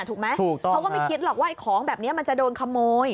ถูกไหมถูกต้องเขาก็ไม่คิดหรอกว่าไอ้ของแบบนี้มันจะโดนขโมย